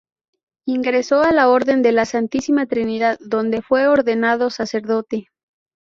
Ingresó a la Orden de la Santísima Trinidad, donde fue ordenado sacerdote.